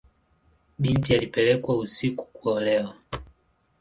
Binti alipelekwa usiku kuolewa.